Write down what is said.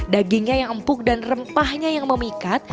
dagingnya yang empuk dan rempahnya yang memikat